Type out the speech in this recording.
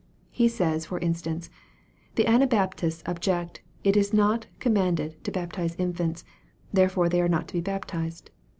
He says, for instance, " The Anabaptists object, ' it is not commanded to baptize infants therefore they are not to be baptized.'